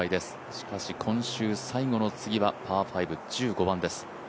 しかし今週、最後の次はパー５、１５番です。